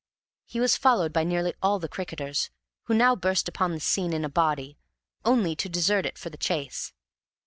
He was followed by nearly all the cricketers, who now burst upon the scene in a body, only to desert it for the chase.